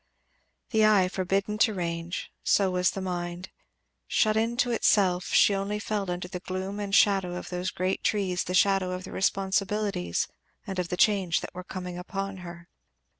The eye forbidden to range, so was the mind, shut in to itself; and she only felt under the gloom and shadow of those great trees the shadow of the responsibilities and of the change that were coming upon her.